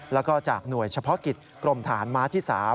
แล้วก็จากหน่วยเฉพาะกิจกรมฐานม้าที่๓